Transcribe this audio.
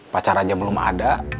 pacar aja belum ada